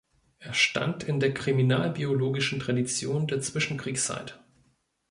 Er stand in der kriminalbiologischen Tradition der Zwischenkriegszeit.